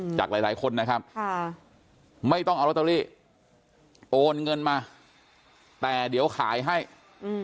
จากหลายหลายคนนะครับค่ะไม่ต้องเอาลอตเตอรี่โอนเงินมาแต่เดี๋ยวขายให้อืม